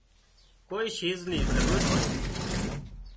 ڪوئي شيِز نِي ضرورت هوئي